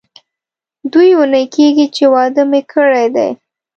دوې اونۍ کېږي چې واده مې کړی دی.